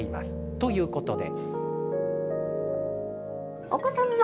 ということで。